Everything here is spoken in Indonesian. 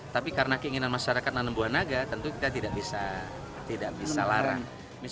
tapi karena keinginan masyarakat nanam buah naga tentu kita tidak bisa larang